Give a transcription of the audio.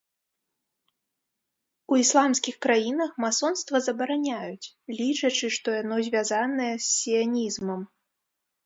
У ісламскіх краінах масонства забараняюць, лічачы, што яно звязанае з сіянізмам.